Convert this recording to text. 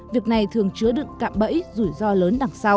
việc này thường chứa đựng cạm bẫy rủi ro lớn đằng sau